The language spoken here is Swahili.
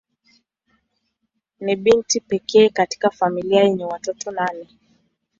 Ni binti pekee katika familia yenye watoto nane.